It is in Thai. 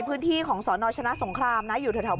ผมได้ช่วยเหรอ